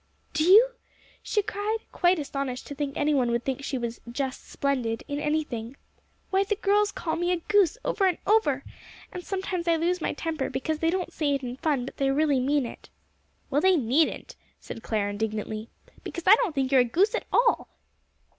"Do you?" she cried, quite astonished to think any one would think she was "just splendid" in anything. "Why, the girls call me a goose over and over. And sometimes I lose my temper, because they don't say it in fun, but they really mean it." "Well, they needn't," said Clare indignantly, "because I don't think you are a goose at all."